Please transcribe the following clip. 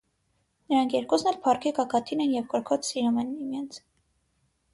Նրանք երկուսն էլ փառքի գագաթին են և կրքոտ սիրում են միմյանց։